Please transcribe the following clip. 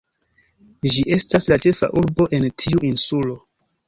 Ĝi estas la ĉefa urbo en tiu insulo.